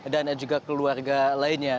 dan juga keluarga lainnya